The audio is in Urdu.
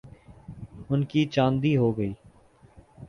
ان کی چاندی ہو گئی۔